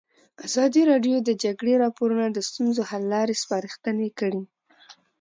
ازادي راډیو د د جګړې راپورونه د ستونزو حل لارې سپارښتنې کړي.